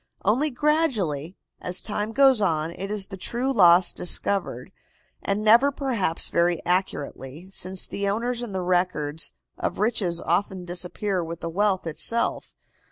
Only gradually, as time goes on, is the true loss discovered, and never perhaps very accurately, since the owners and the records of riches often disappear with the wealth itself.